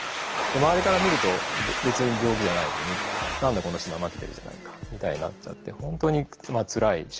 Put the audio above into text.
周りから見ると別に病気じゃないのに何でこの人怠けてるじゃないかみたいになっちゃって本当につらい症状なんじゃないかなと思ってます。